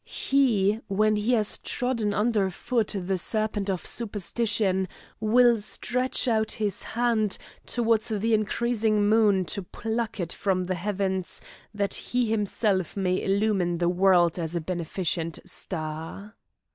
He, when he has trodden under foot the serpent of superstition, will stretch out his hand towards the increasing moon to pluck it from the heavens, that he himself may illumine the world as a beneficent star."